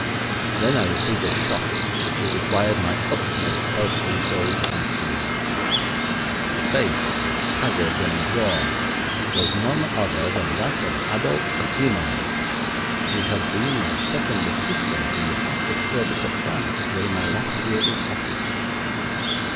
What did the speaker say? Then I received a shock which it required my utmost self control to conceal. The face, haggard and drawn, was none other than that of Adolph Simard, who had been my second assistant in the Secret Service of France during my last year in office.